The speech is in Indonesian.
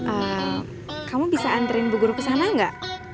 eee kamu bisa anterin bu guru kesana ga